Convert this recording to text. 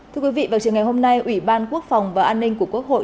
thưa quý vị vào trường ngày hôm nay ủy ban quốc phòng và an ninh của quốc hội